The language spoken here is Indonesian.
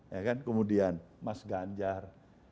ya kan kemudian mas ganjar